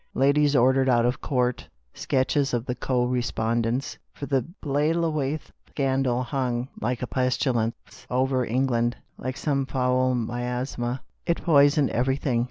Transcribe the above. Ladies ordered out of court. sketches of the Co respondents." For the Blaythewaite scandal hung, like a pestilence, over England. Like some foul miasma, it poisoned every thing.